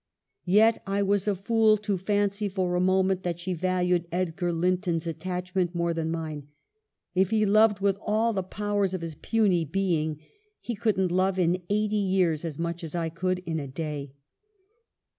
Yet I was a fool to fancy for a moment that she valued Edgar Linton's attachment more than mine. If he loved with all the powers of his puny being, he could n't love in eighty years as much as I could in a day.'